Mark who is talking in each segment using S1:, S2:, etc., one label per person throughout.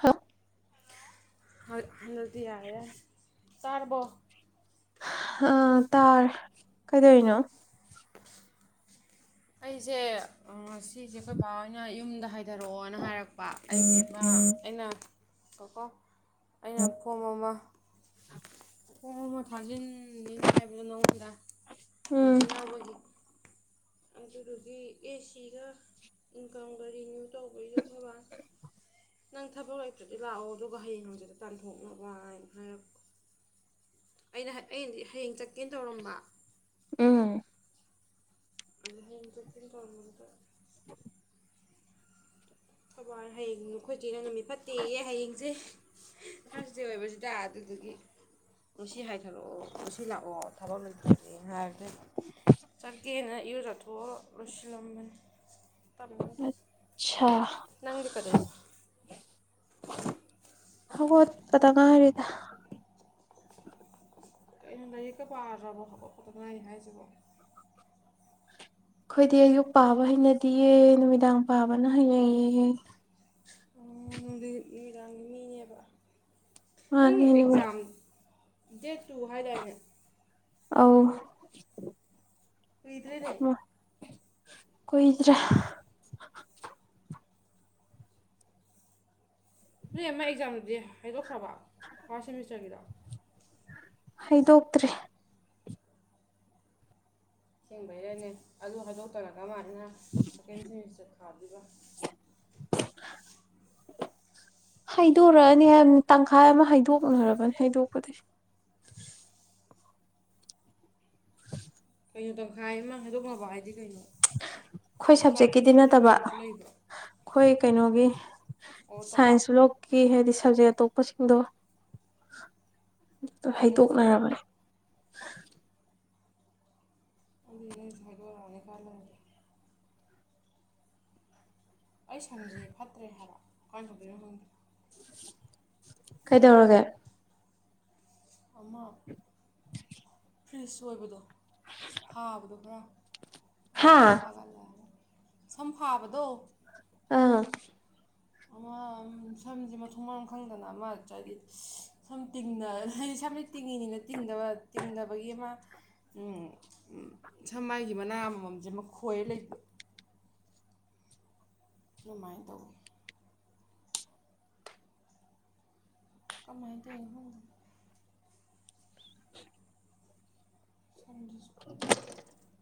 S1: ꯍꯥ
S2: ꯑꯅ ꯌꯥ ꯇꯥꯔꯕꯣ
S1: ꯑ ꯇꯥꯔ ꯀꯩꯗꯧꯅꯣ
S2: ꯑꯩꯁꯦ ꯉ ꯁꯤꯁꯦ ꯑꯩꯈꯣꯏ ꯕꯕꯥ ꯍꯣꯏꯅ ꯌꯨꯝꯗ ꯍꯥꯏꯊꯔꯛꯑꯣꯅ ꯍꯥꯏꯔꯛꯄ ꯑꯩꯁꯦ ꯑꯩꯅꯣ ꯑꯩꯅ ꯐꯣꯝ ꯑꯃ ꯐꯣꯝ ꯑꯃ ꯊꯥꯖꯤꯟ ꯅꯤꯅ ꯍꯥꯏꯕꯗꯣ ꯅꯣꯡꯉꯣꯟꯗ ꯄꯨꯊꯤ
S1: ꯎꯝ
S2: ꯍꯕꯒꯤ ꯑꯗꯨꯗꯨꯒꯤ ꯑꯦꯁꯤꯒ ꯏꯟꯀꯝꯒ ꯔꯤꯅ꯭ꯌꯨ ꯇꯧꯕꯩ ꯌꯣꯛꯅꯕ ꯅꯪ ꯊꯕꯛ ꯂꯩꯇ꯭ꯔꯗꯤ ꯂꯥꯛꯑꯣ ꯑꯗꯨꯒ ꯍꯌꯦꯡꯗꯨꯗ ꯇꯥꯟꯊꯣꯛꯅꯕ ꯍꯥꯏꯅ ꯍꯥꯏꯔꯛꯄ ꯑꯩꯅ ꯑꯗꯤ ꯍꯌꯦꯡ ꯆꯠꯀꯦꯅ ꯇꯧꯔꯝꯕ
S1: ꯎꯝ
S2: ꯑꯗ ꯍꯇ ꯇꯣꯉꯗ
S1: [unintelligible]
S2: ꯊꯧꯕꯥꯜ ꯍꯌꯦꯡ ꯅꯈꯣꯏꯁꯦ ꯅꯪ ꯅꯨꯃꯤꯠ ꯐꯠꯇꯦꯌꯦ ꯍꯌꯦꯡꯁꯦ ꯊꯥꯔꯁꯗꯦ ꯑꯣꯏꯕꯁꯤꯗ ꯑꯗꯨꯗꯒꯤ ꯉꯁꯤ ꯍꯥꯏꯊꯔꯛꯑꯣ ꯉꯁꯤ ꯂꯥꯛꯑꯣ ꯊꯕꯛ ꯂꯩꯇ꯭ꯔꯗꯤ ꯍꯥꯏꯔꯗꯤ ꯆꯠꯀꯦꯅ ꯏꯨꯖꯊꯣꯛꯑ ꯂꯣꯏꯁꯤꯜꯂꯝꯕꯅꯤ ꯇꯟꯗ
S1: ꯑꯆꯥ
S2: ꯅꯪꯗꯤ ꯀꯗꯕꯣ
S1: ꯍꯣ ꯄꯇꯥ ꯉ ꯍꯥꯏꯔꯦ
S2: ꯑꯩꯅ ꯂꯥꯏꯔꯤꯛꯀ ꯄꯥꯗ꯭ꯔꯕꯣ ꯈꯕꯛ ꯐꯗꯅ ꯑꯩꯅ ꯍꯥꯏꯖꯕ
S1: ꯑꯩꯈꯣꯏꯗꯤ ꯑꯌꯨꯛ ꯄꯥꯕ ꯍꯩꯅꯗꯤꯌꯦꯦ ꯅꯨꯃꯤꯗꯥꯡ ꯄꯥꯕꯅ ꯍꯩꯅꯩꯌꯦ
S2: ꯑꯣꯗꯤ ꯥꯡ ꯃꯤꯅꯦꯕ ꯅꯪ
S1: ꯃꯥꯅꯦ ꯅꯨꯃꯤꯠ
S2: ꯑꯦꯛꯖꯥꯝ ꯗꯦꯠ ꯇꯨ ꯍꯥꯏꯥꯏꯗꯏ
S1: ꯑ
S2: ꯤꯗꯔꯅꯦ
S1: ꯀꯣꯏ ꯗꯔꯦ
S2: ꯅ ꯑꯃ ꯑꯦꯛꯖꯥꯝꯗꯨꯗꯤ ꯍꯥꯏꯗꯣꯛꯈ꯭ꯔꯕ ꯐꯥꯔꯁ ꯁꯦꯃꯤꯁꯇꯔꯒꯤꯗꯣ
S1: ꯍꯩꯗꯣꯛꯇ꯭ꯔꯔꯤ
S2: ꯊꯦꯡꯕꯩꯔꯅꯦ ꯑꯗꯨ ꯍꯥꯏꯗꯣꯛ ꯇꯧꯔꯀ ꯃꯥꯜꯂꯦ ꯑ ꯀꯦꯟꯁꯁ ꯈꯥꯗꯨꯕ
S1: ꯍꯥꯏꯗꯣꯔꯛꯑꯅꯤ ꯇꯪꯈꯥꯏ ꯑꯃ ꯍꯥꯏꯩꯗꯣꯛꯅꯔꯕꯅꯤ ꯍꯥꯏꯩꯗꯣꯛꯄꯗꯤ
S2: ꯀꯩꯅꯣ ꯇꯪꯈꯥꯏ ꯑꯃ ꯍꯥꯏꯗꯣꯛꯅꯕ ꯍꯥꯏꯗꯤ ꯀꯩꯅꯣ
S1: ꯑꯩꯈꯣꯏ
S2: ꯇꯈꯥꯏ
S1: ꯁꯕꯖꯦꯛꯀꯤꯗꯤ ꯅꯠꯇꯕ
S2: ꯍꯣꯏꯗꯣꯛꯅꯕꯤꯁꯨ ꯂꯩꯕ
S1: ꯑꯩꯈꯣꯏ ꯀꯩꯅꯣꯒꯤ ꯁꯥꯏꯟꯁꯂ ꯀ ꯍꯦꯁ ꯁꯖꯩ ꯑꯇꯣꯞꯄꯁꯤꯡꯗꯣ
S2: ꯑꯣ ꯑꯣ
S1: ꯍꯩꯗꯣꯛꯅꯔꯕꯅꯦ [inaudible]
S2: ꯑꯗꯤꯅꯦꯁꯒꯅꯤꯀꯜ ꯑꯩ ꯁꯝꯁꯦ ꯐꯠꯇ꯭ꯔꯦ ꯍꯥꯏꯕ ꯀꯃꯥꯏꯅ ꯇꯧꯕꯤꯅꯣ ꯈꯪꯗꯣ
S1: ꯀꯩꯗꯧꯔꯒꯦ
S2: ꯑꯃ ꯐ꯭ꯔꯤꯖ ꯑꯣꯏꯕꯗꯣ ꯊꯥꯕꯗꯣ ꯈꯔ
S1: ꯍꯥ
S2: ꯑꯗꯨꯗ ꯈꯔ ꯐꯥꯒ ꯂ ꯁꯝ ꯐꯥꯕꯗꯣ
S1: ꯑꯥ
S2: ꯑꯃ ꯁꯝꯁꯦ ꯃꯊꯣꯡ ꯃꯔꯝ ꯈꯪꯗꯅ ꯑꯃ ꯍꯥꯏꯗꯤ ꯁꯝ ꯇꯤꯡꯅ ꯍꯥꯏꯗꯤ ꯁꯝꯅ ꯇꯤꯡꯉꯤꯅꯤꯅ ꯇꯤꯡꯗꯕ ꯇꯤꯡꯗꯕꯒꯤ ꯑꯃ ꯁꯃꯥꯏꯒꯤ ꯃꯅꯥ ꯑꯃꯃꯝꯁꯦ ꯃꯈꯣꯏꯔ ꯂꯩꯕ ꯃꯥꯏꯅ ꯇꯧꯕ ꯀꯃꯥꯏ ꯇꯦꯔꯦꯅꯣ ꯈꯪꯗꯦ
S1: [inaudible]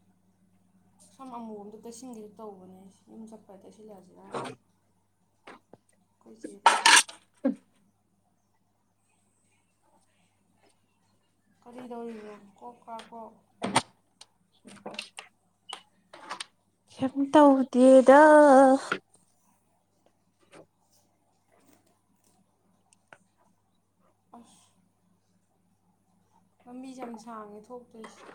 S2: ꯁꯝ ꯑꯃꯨ ꯑꯝꯗ ꯇꯩꯁꯤꯟꯒꯁꯨ ꯇꯧꯕꯅꯦ ꯌꯨꯝ ꯆꯠꯄ ꯇꯩꯁꯤꯜꯂꯛꯑꯁꯤ ꯌꯥꯝꯗꯤꯦ ꯀꯣꯏꯖꯕ ꯀꯔꯤꯗꯧꯔꯤꯅꯣ ꯀꯣꯛ ꯀꯥ ꯀꯣꯛ
S1: ꯍꯝꯇ ꯎꯗꯤꯦꯗ
S2: ꯑꯁ ꯃꯃꯤꯁꯦ ꯌꯥꯝ ꯁꯥꯡꯉꯦ ꯊꯣꯛꯇꯣꯏꯁ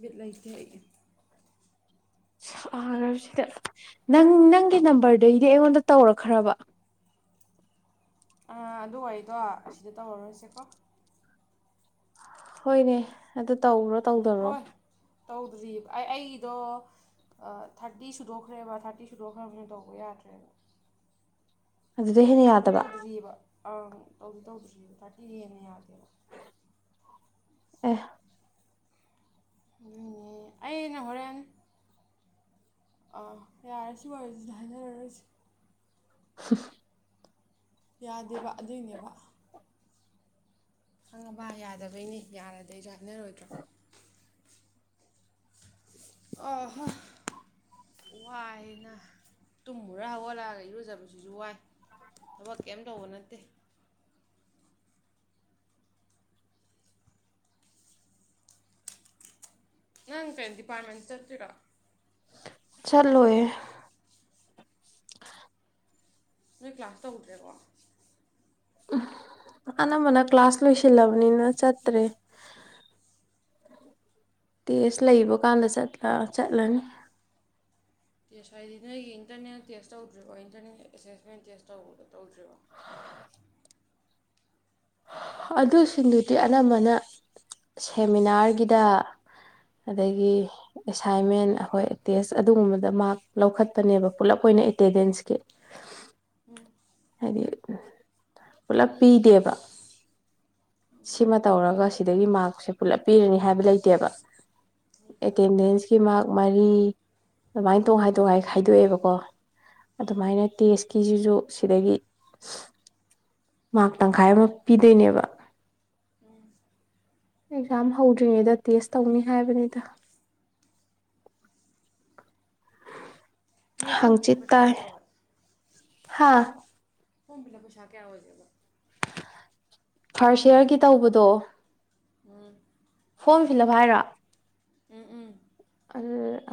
S2: ꯕꯤꯠ ꯂꯩꯇ ꯑꯩ
S1: ꯁꯒꯔꯁꯗ ꯅꯪ ꯅꯪꯒꯤ ꯅꯝꯕꯔꯗꯩꯗꯤ ꯑꯩꯉꯣꯟꯗ ꯇꯧꯔꯛꯈ꯭ꯔꯕ
S2: ꯑꯥ ꯑꯗꯨ ꯋꯥꯔꯤꯗꯣ ꯑꯁꯤꯗ ꯇꯧꯔꯔꫭꯏꯁꯤꯀꯣ
S1: ꯍꯣꯏꯅꯦ ꯑꯗꯨ ꯇꯧ꯭ꯔꯣ
S2: ꯍꯣꯏ
S1: ꯇꯧꯗꯔꯣꯕ꯭ꯔꫭ
S2: ꯇꯧꯗ꯭ꯔꯤꯕ ꯑꯩ ꯑꯩꯒꯤꯗꯣ ꯊꯥꯔꯇꯤ ꯁꯨꯗꯣꯛꯈ꯭ꯔꯦꯕ ꯊꯥꯔꯇꯤ ꯁꯨꯗꯣꯛꯈ꯭ꯔꯕꯅꯤꯅ ꯇꯧꯕ ꯌꯥꯗ꯭ꯔꯦꯕ
S1: ꯑꯗꯨꯗ ꯍꯦꯟꯅ
S2: ꯇꯧꯗꯤ
S1: ꯌꯥꯗꯕ
S2: ꯇꯧꯗ꯭ꯔꯤꯑꯕ ꯑꯪ ꯇꯧꯗꯤ ꯇꯧꯗ꯭ꯔꯤꯕ ꯊꯥꯔꯇꯤꯗꯩ ꯍꯦꯟꯅ ꯌꯥꯗꯦꯕ
S1: ꯑ‌ꯦ
S2: ꯑꯗꯨꯅꯦ ꯑꯩꯩꯅ ꯍꯣꯔꯦꯟ ꯑꯥ ꯌꯥꯔ‌ꯦ ꯁꯤꯋꯔꯤꯁ‌ꯦ ꯍꯥꯏꯅꯔꯔꫭꯏꯁꯤ
S1: [inaudible]
S2: ꯌꯥꯗꯦꯕ ꯑꯗꯨꯏꯅꯦꯕ ꯈꯪꯉꯕ ꯌꯥꯗꯕꯩꯅꯦ ꯌꯥꯔꯗꯤ ꯑꯩꯖꯨ ꯍꯥꯏꯅꯔꯣꯏꯗ꯭ꯔꯣ ꯑꯍꯥ‌ ꯋꯥꯏꯅ ꯇꯨꯝꯃꯨꯔ ꯍꯧꯒꯠꯂꯛꯑꯒ ꯏꯔꯨꯖꯕꯁꯤꯁꯨ ꯋꯥꯏ ꯊꯕꯛ ꯀꯔꯤꯝ ꯇꯧꯕ ꯅꯠꯇꯦ ꯅꯪ ꯀꯩ ꯗꯤꯄꯥꯔꯠꯃꯦꯟ ꯆꯠꯇ꯭ꫭꯏꯔꫭ
S1: ꯆꯠꯂꯣꯏꯌ‌ꯦ
S2: ꯅꯣꯏ ꯀ꯭ꯂꯥꯁ ꯇꯧꯗ꯭ꯔꯦꯀꯣ
S1: ꯑꯅꯝꯕꯅ ꯀ꯭ꯂꯥꯁ ꯂꯣꯏꯁꯤꯜꯂꯕꯅꯤꯅ ꯆꯠꯇ꯭ꯔꯦ ꯇꯦꯁ ꯂꯩꯕ ꯀꯥꯟꯗ ꯆꯠꯂꯅꯤ
S2: ꯇꯦꯁ ꯍꯥꯏꯗꯤ ꯅꯣꯏꯒꯤ ꯏꯟꯇꯔꯅꯦꯠ ꯇꯦꯁ ꯇꯧꯗ꯭ꯔꯤꯕꯣ ꯏꯟꯇꯔꯅꯦꯜ ꯑꯦꯁꯦꯁꯃꯦꯟ ꯇꯦꯁ ꯇꯧꯗ꯭ꯔꯔꯤꯕꯣ
S1: ꯑꯗꯨꯁꯤꯡꯗꯨꯗꯤ ꯑꯅꯝꯕꯅ ꯁꯦꯃꯤꯅꯥꯔꯒꯤꯗ ꯑꯗꯒꯤ
S2: ꯎꯝ
S1: ꯑꯦꯁ ꯑꯦꯁꯥꯏꯟꯃꯦꯟ ꯑꯩꯈꯣꯏ ꯇꯦꯁ ꯑꯗꯨꯒꯨꯝꯕꯗ ꯃꯥꯔꯛ ꯂꯧꯈꯠꯄꯅꯦꯕ ꯄꯨꯂꯞ ꯑꯣꯏꯅ ꯑꯦꯇꯦꯟꯗꯦꯟꯁꯀꯤ
S2: ꯎꯝ
S1: ꯍꯥꯏꯗꯤ ꯄꯨꯂꯞ ꯄꯤꯗꯦꯕ ꯁꯤꯃ ꯇꯧꯔꯒ ꯁꯤꯗꯒꯤ ꯃꯥꯔꯛꯁꯦ ꯄꯨꯂꯞꯄꯤꯔꯅꯤ ꯍꯥꯏꯕ ꯂꯩꯇꯦꯕ
S2: ꯂꯩꯇꯦꯕ
S1: ꯑꯦꯇꯦꯟꯗꯦꯟꯁꯀꯤ ꯃꯥꯔꯛ ꯃꯔꯤ ꯑꯗꯨꯃꯥꯏꯅ ꯇꯣꯈꯥꯏ ꯇꯣꯡꯈꯥꯏ ꯈꯥꯏꯗꯣꯛꯑꯦꯕꯀꯣ ꯑꯗꯨꯃꯥꯏꯅ ꯇꯦꯁꯀꯤꯁꯤꯁꯨ ꯁꯤꯗꯒꯤ ꯃꯥꯔ ꯇꯪꯈꯥꯏ ꯑꯃ ꯄꯤꯗꯣꯏꯅꯦꯕ ꯑꯦꯛꯖꯥꯝ ꯍꯧꯗ꯭ꯔꯤꯉꯩꯗ ꯇꯦꯁ ꯇꯧꯅꯤ ꯍꯥꯏꯕꯅꯤꯗ
S2: ꯅꯣꯏ
S1: ꯍꯪ
S2: ꯐꯣꯔꯝ ꯐꯤꯜ ꯂꯞ
S1: ꯆꯤꯠ
S2: ꯄꯩꯁꯥ
S1: ꯇꯥꯏ
S2: ꯀꯌꯥ ꯑꯣꯏ
S1: ꯍꯥꯥ
S2: ꯐꫭꯔꯃ ꯐꯤꯜꯑꯞ ꯄꯩꯁꯥ ꯀꯌꯥ ꯑꯣꯏꯖꯒ‌ꯦꯕ
S1: ꯐꯥꯔꯁ ꯏꯌꯥꯔꯒꯤ ꯇꯧꯕꯗꯣ
S2: ꯎꯨꯡ
S1: ꯐꫭꯔꯃ ꯐꯤꯜꯂꯞ ꯍꯥꯏꯔꯣ
S2: ꯎꯝ ꯎꯝ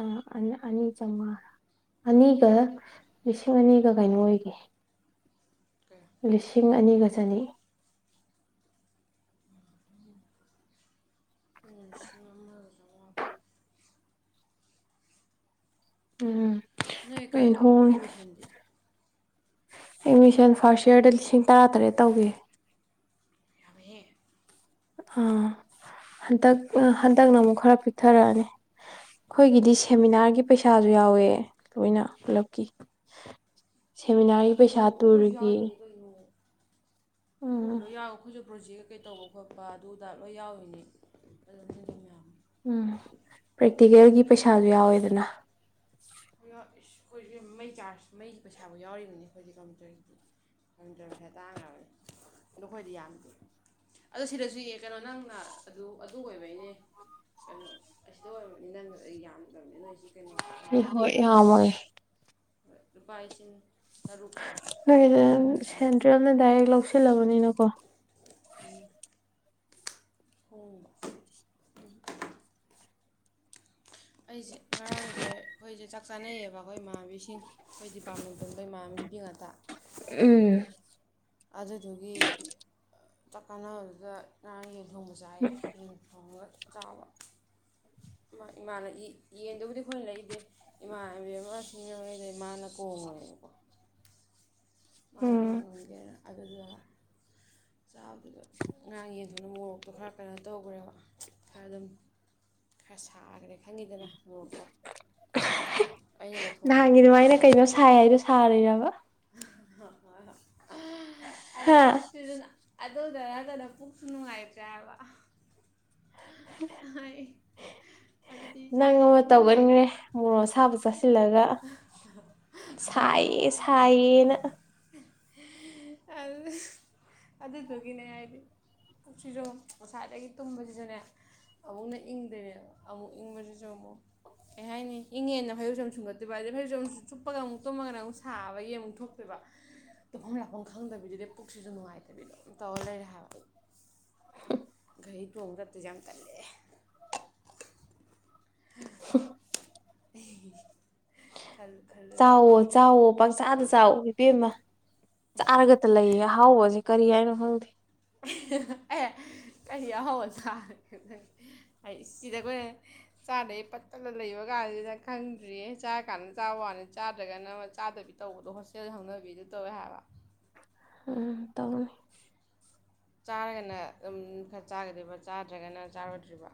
S1: ꯑ [unintelligible] ꯑꯅꯤ ꯆꯥꯝꯃꯉꯥꯔꯥ ꯑꯅꯤꯒ ꯂꯤꯁꯤꯡ ꯑꯅꯤꯒ ꯀꯩꯅꯣ ꯑꯣꯏꯒꯦ
S2: ꯀꯌꯥ
S1: ꯂꯤꯁꯤꯡ ꯑꯅꯤꯒ ꯆꯅꯤ
S2: ꯑꯈꫭꯏꯅ ꯂꯤꯁꯤꯡ ꯑꯃꯒꯥ ꯆꯝꯃꯉꯥ ꯈꯛꯇꯥ
S1: ꯎꯝ
S2: ꯅꯣꯏ ꯀꯩ
S1: ꯂꯣꯏꯅ ꯍꯣꯡꯉꯦ
S2: ꯑꯦꯃꯤꯁꯟꯗꯤ
S1: ꯑꯦꯠꯃꯤꯁꯟ ꯐꯥꯔꯁ ꯏꯌꯥꯔꯗ ꯂꯤꯁꯤꯡ ꯇꯔꯥꯇꯔꯦꯠ ꯇꯧꯒꯤ
S2: ꯍꯦꯛ [unintelligible]
S1: ꯑꯥ ꯍꯟꯗꯛ ꯍꯟꯗꯛꯅ ꯑꯃꯨꯛ ꯈꯔ ꯄꯤꯛꯊꯔꯛꯑꯅꯤ
S2: ꯍꯟꯗꯛ
S1: ꯑꯩꯈꯣꯏꯒꯤꯗꯤ
S2: ꯅꯧꯅ ꯈꯔ ꯄꯤꯊꯔꯦ
S1: ꯁꯦꯃꯤꯅꯥꯔꯒꯤ ꯄꯩꯁꯥꯁꯨ ꯌꯥꯎꯋꯦ ꯂꯣꯏꯅ ꯄꯨꯂꯞꯀꯤ ꯁꯦꯃꯤꯅꯥꯔꯒꯤ ꯄꯩꯁꯥ
S2: ꯑꯗꯨꯏꯁꯨ ꯑꯩꯈꯣꯏꯁꯨ
S1: ꯇꯔꯒꯦ
S2: ꯌꯥꯎꯔꯤꯅꯤ ꯀꯩꯅꯣ ꯑꯩꯈꯣꯏꯁꯨ ꯂꯣꯏ ꯌꯥꯎꯋ ꯑꯩꯈꯣꯏꯁꯨ ꯄ꯭ꯔꯣꯖꯦꯛ ꯀꯩ ꯇꯧꯕ ꯈꯣꯠꯄ ꯑꯗꯨꯗ ꯂꯣꯏ ꯌꯥꯎꯔꯤꯅꯤ ꯑꯗꯨ ꯍꯥꯏꯅꯤꯡꯕꯣ
S1: ꯎꯝ ꯄ꯭ꯔꯦꯛꯇꯤꯀꯦꯜꯒꯤ ꯄꯩꯁꯥꯁꯨ ꯌꯥꯎꯋꯦꯗꯅ
S2: ꯏꯁ ꯑꯩꯈꯣꯏꯁꯦ ꯃꯩ ꯆꯥꯔꯖ ꯃꯩꯒꯤ ꯄꯩꯁꯥꯕꯨ ꯌꯥꯎꯔꯤꯕꯅꯤ ꯑꯩꯈꯣꯏꯗꯤ ꯀꯝꯃꯌꯨꯇꯔꯒꯤꯗꯤ ꯀꯝꯃꯨꯇꯔ ꯄꯩꯁꯥ ꯇꯥꯡꯈ꯭ꯔꯕꯅꯤ ꯑꯗꯣ ꯑꯩꯈꯣꯏꯗꯤ ꯌꯥꯝꯗꯦ ꯑꯗꯣ ꯁꯤꯗꯁꯨ ꯀꯩꯅꯣ ꯅꯪꯅ ꯑꯗꯨ ꯑꯗꯨ ꯑꯣꯏꯕꯩꯅꯦ ꯀꯩꯅꯣ ꯑꯁꯤꯗ ꯑꯣꯏꯔꯕꯅꯤ ꯅꯪꯅ ꯑꯩ ꯌꯥꯝꯗꯕꯅꯤ ꯅꯣꯏꯁꯦ
S1: ꯍ ꯍꯣꯏ ꯑꯃ
S2: ꯕꯥꯏꯁꯤꯟ
S1: ꯍꯣꯏ ꯁꯦꯟꯇ꯭ꯔꯦꯜꯅ ꯗꯥꯏꯔꯦꯛ ꯂꯧꯁꯤꯜꯂꯕꯅꯤꯅ ꯀꯨ
S2: ꯍꯣꯏ ꯑꯩꯁꯦ ꯉꯔꯥꯡꯁꯦ ꯑꯩꯈꯣꯏꯁꯦ ꯆꯥꯛ ꯆꯥꯅꯩꯌꯦꯕ ꯑꯩꯈꯣꯏ ꯏꯃꯥꯟꯕꯤꯁꯤꯡ ꯑꯩꯈꯣꯏ ꯗꯤꯄꯥꯔꯠꯃꯦꯟꯇꯕ ꯏꯃꯥꯟꯕꯤ ꯅꯨꯄꯤ ꯉꯥꯛꯇ
S1: ꯎꯝ
S2: ꯑꯖ ꯊꯒꯦ ꯇꯀꯅ ꯑꯣꯏꯗ ꯅꯥꯡ ꯌꯦ ꯔꯣꯡꯖꯥꯏ ꯍ ꯊꯉ ꯆꯥꯎꯕ ꯏꯃꯥꯅ ꯌꯦꯡꯗꯕꯨꯗꯤ ꯑꯩꯈꯣꯏꯅ ꯂꯩꯗꯦ ꯏꯃꯥꯟꯕꯤ ꯑꯃ ꯁꯤꯡꯅꯉꯩꯗ ꯏꯃꯥꯅ ꯀꯣꯡꯉꯨꯔꯅꯦꯕꯀꯣ ꯃꯥꯅ ꯃꯥ
S1: ꯎꯝ
S2: ꯉꯝꯒꯦꯔ ꯑꯗꯨꯗꯨꯒ ꯆꯥꯕꯗꯨꯗ ꯉꯔꯥꯡ ꯌꯦꯟꯊꯣꯛꯅ ꯃꯣꯔꯣꯛꯇꯣ ꯈꯔ ꯀꯩꯅꯣ ꯇꯧꯈ꯭ꯔꯦꯕ ꯈꯔ ꯑꯗꯨꯝ ꯈꯔ ꯁꯥꯈ꯭ꯔꯦ ꯈꯪꯈꯤꯗꯅ ꯃꯣꯔꯣꯛꯇꯣ ꯑꯩꯅꯒ ꯊꯣꯡꯉꯦ
S1: ꯅꯍꯥꯟꯒꯤ ꯑꯗꯨꯃꯥꯏꯅ ꯀꯩꯅꯣ ꯁꯥꯏ ꯍꯥꯏꯗꯣ ꯁꯥꯥꯔꯦ ꯌꯥ ꯋꯥ
S2: ꯍ ꯍꯣꯏ ꯍ ꯎ ꯑ ꯌꯥꯝ
S1: ꯍꯥ
S2: ꯄꯣꯛꯄꯤꯗꯅ ꯑꯗꯨꯗꯔꯒꯅ ꯄꯨꯛꯁꯨ ꯅꯨꯡꯉꯥꯏꯇ꯭ꯔꯦꯕ ꯑꯗꯨꯗꯤ
S1: ꯅꯪ
S2: ꯏꯁꯥꯁꯦ
S1: ꯑꯃ
S2: ꯑꯗꯨꯝ ꯅꯨꯡꯉꯥꯏꯇꯦ
S1: ꯇꯧꯒꯟꯈ꯭ꯔꯦ ꯃꯣꯔꯣ ꯁꯥꯕ ꯆꯥꯁꯤꯜꯂꯒ ꯁꯥꯏꯌꯦ ꯁꯥꯏꯌꯦꯅ
S2: ꯑꯗꯨꯗꯨꯒꯤꯅꯦ ꯍꯥꯏꯗꯤ ꯁꯤꯁꯨ ꯉꯁꯥꯏꯗꯒꯤ ꯇꯨꯝꯕꯁꯤꯁꯨꯅꯦ ꯑꯃꯨꯛꯅ ꯏꯪꯗꯣꯏꯅꯦꯕ ꯑꯃꯨꯛ ꯏꯪꯕꯁꯤꯁꯨ ꯑꯃꯨꯛ ꯀꯩ ꯍꯥꯏꯅꯤ ꯏꯪꯉꯦꯅ ꯐꯩꯔꯧꯆꯝ ꯁꯨꯡꯒꯠꯇꯦꯕ ꯑꯗꯨꯩ ꯐꯩꯔꯧ ꯆꯝ ꯆꯨꯞꯄꯒ ꯑꯃꯨꯛ ꯇꯨꯝꯃꯒꯅ ꯑꯃꯨꯛ ꯁꯥꯕꯒꯤ ꯑꯃꯨꯛ ꯊꯣꯛꯇꯣꯏꯕ ꯇꯨꯝꯐꯝ ꯂꯥꯐꯝ ꯈꯪꯗꯕꯤꯗꯨꯗꯤꯦ ꯄꯨꯈ꯭ꯔꯤꯁꯨ ꯅꯨꯡꯉꯥꯏꯇꯕꯤꯗꯣ ꯑꯗꯨꯝ ꯇꯧꯔ ꯂꯩꯔꯦ ꯍꯥꯏꯕ
S1: [unintelligible]
S2: ꯑꯩꯩ ꯊꯣꯡꯗꯛꯇꯁꯨꯦ ꯌꯥꯝ ꯇꯜꯂꯛꯑꯦ
S1: [unintelligible]
S2: [unintelligible] ꯈꯜꯂꯨ ꯈꯜꯂꯨꯔꯒ
S1: ꯆꯥꯎꯋꯣ
S2: ꯅꯣꯛꯅꯤꯡꯁꯨ
S1: ꯆꯥꯎꯋꯣ
S2: ꯅꯣꯛꯅꯤꯡ
S1: ꯄꯪꯁꯥꯗ ꯆꯥꯎꯋ ꯏꯄꯦꯝꯃ ꯆꯥꯔꯒꯠꯇ ꯂꯩꯌꯦꯦ ꯍꯥꯎ ꯍꯧꯖꯤꯛ ꯀꯔꯤ ꯍꯥꯏꯅ ꯍꯣꯜꯗꯤ
S2: ꯑꯦ ꯀ ꯑꯍꯥꯎꯕ ꯆꯥꯦꯪ ꯑꯩ ꯁꯤꯗ ꯑꯩꯈꯣꯏꯅ ꯆꯥꯗꯩ ꯄꯠꯠꯇꯂ ꯂꯩꯕ ꯀꯥꯟꯁꯤꯗ ꯈꯪꯗ꯭ꯔꯤꯌꯦ ꯆꯥꯔ ꯀꯥꯟꯗ ꯆꯥꯕ ꯋꯥꯅꯤ ꯆꯥꯗ꯭ꯔꯒꯅ ꯆꯥꯗꯕꯤ ꯇꯧꯕꯗꯣ ꯍꯣꯁꯇꯦꯜ ꯍꯧꯅꯕꯤꯗ ꯇꯧꯋꯦ ꯍꯥꯏꯕ
S1: ꯎꯝ ꯇ
S2: ꯆꯥꯔꯒꯅ ꯑꯗꯨꯝ ꯈꯔ ꯆꯥꯒꯗꯔꯤꯕ ꯆꯥꯗ꯭ꯔꯒꯅ ꯆꯥꯔꯣꯏꯗ꯭ꯔꯤꯕ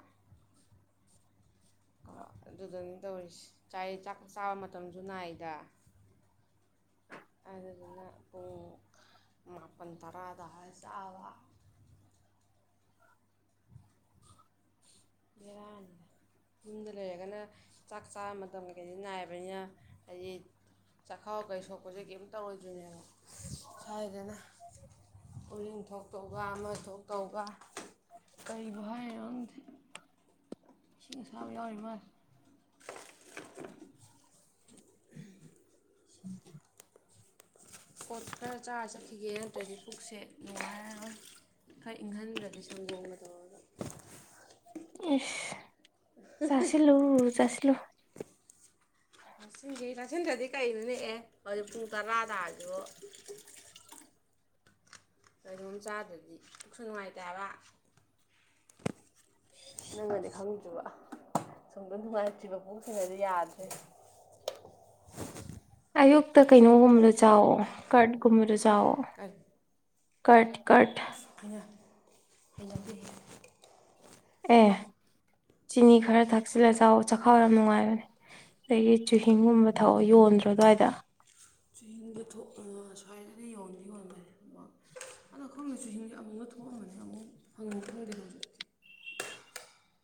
S2: ꯑꯗꯨꯗꯅ ꯇꯧꯔꯤꯁꯤ ꯆꯥꯕ ꯃꯇꯝꯁꯨ ꯅꯥꯏꯗ ꯑꯗꯨꯗꯨꯅ ꯄꯨꯡ ꯃꯥꯄꯜ ꯇꯔꯥꯗꯋꯥꯔ ꯆꯥꯕ ꯦꯔ ꯌꯨꯝꯗ ꯂꯩꯔꯒꯅ ꯆꯥꯛ ꯆꯥꯕ ꯃꯇꯝ ꯀꯩꯀꯩ ꯅꯥꯏꯕꯅꯤꯅ ꯍꯥꯏꯗꯤ ꯆꯈꯥꯎ ꯀꯩ ꯁꯣꯛꯄꯁꯦ ꯀꯔꯤꯝ ꯇꯧꯔꯣꯏꯗꯣꯏꯅꯦꯕ ꯁꯥꯏꯗꯅ ꯎꯔꯤꯡ ꯊꯣꯛꯇꯧꯕ ꯑꯃ ꯊꯣꯛꯇꯧꯕ ꯀꯔꯤꯕꯨ ꯍꯥꯏꯔꯣ ꯁꯤꯁꯕ ꯌꯥꯎꯔꯤ ꯃ ꯄꯣꯠ ꯈꯔ ꯆꯥꯔ ꯆꯠꯈꯤꯒꯦ ꯅꯠꯇ꯭ꯔꯗꯤ ꯄꯨꯛꯁꯦ ꯅꯨꯡꯉꯥꯏꯔꯒ ꯈꯔ ꯏꯪꯍꯟꯗ꯭ꯔꯗꯤ ꯁꯝꯗꯣꯡꯕ ꯇꯧꯔꯒ
S1: ꯏ ꯆꯥꯁꯤꯜꯂꯨ ꯆꯥꯁꯤꯜꯂꯨ
S2: ꯇꯛꯁꯤꯁꯤ ꯇꯛꯁꯤꯤꯟꯗ꯭ꯔꯗꯤ ꯀꯩꯅꯣ ꯅꯦꯛꯑꯦ ꯍꯧꯖꯤꯛ ꯄꯨꯡ ꯇꯔꯥꯗꯥꯔꯁꯨ ꯀꯩꯅꯣꯝ ꯆꯥꯗ꯭ꯔꯗꯤ ꯀꯁꯨ ꯅꯨꯡꯉꯥꯏꯇꯕ ꯍꯥꯌꯕꯥ ꯅꯪꯉꯗꯤ ꯈꯪꯗꯦ ꯁꯨꯝꯗ ꯅꯨꯡꯉꯥꯏꯇ꯭ꯔꯤꯕ ꯄꯣꯛꯁꯤꯡ ꯑꯗꯤ ꯌꯥꯗ꯭ꯔꯦ
S1: ꯑꯌꯨꯛꯇ ꯀꯩꯅꯣꯒꯨꯝꯕꯂ ꯆꯥꯎꯑꯣ ꯀꯔꯠꯒꯨꯝꯕꯂ ꯆ ꯆꯥꯎꯑꯣ ꯈꯠ
S2: ꯈꯥꯏꯅ ꯍꯂꯗꯤ
S1: ꯑꯦ ꯆꯤꯅꯤ ꯈꯔ ꯊꯛꯆꯤꯜꯂꯦ ꯆ ꯆꯥꯛꯈꯥꯎ ꯌꯥꯝ ꯅꯨꯡꯉꯥꯏꯕꯅꯦ ꯑꯗꯒꯤ ꯆꯨꯍꯤꯡꯒꯨꯝꯕ ꯊꯛꯑꯣ ꯌꯣꯟꯗ꯭ꯔꯣ ꯑꯗꯨꯋꯥꯏꯗ
S2: ꯆꯨꯍꯤꯡꯗ ꯊꯣꯛꯑ ꯁ꯭ꯋꯥꯏꯗꯗꯤ ꯌꯣꯟꯗꯤ ꯌꯣꯟꯗꯦ ꯑꯗ ꯈꯪꯗꯦ ꯆꯨꯍꯤꯡꯁ ꯑꯃꯨꯛꯀ ꯊꯣꯛꯑꯝꯕꯅꯤ ꯑꯃꯨꯛ ꯍꯪꯉ ꯈꯪꯗꯦ ꯍꯧꯖꯤꯛꯇꯤ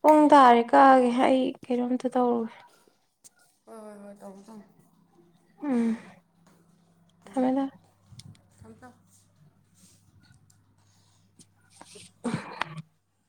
S1: ꯄꯨꯡ ꯇꯥꯔꯦ ꯀꯛꯑꯒꯦ ꯑꯩ ꯀꯩꯅꯣꯝꯇ ꯇꯧꯔꯨꯒꯦ
S2: ꯍ ꯍ ꯇꯪ ꯇꯝ
S1: ꯎꯝ ꯊꯝꯃꯦ ꯊꯝꯃꯦ
S2: ꯊꯝꯇ [unintelligible]
S1: [unintelligible]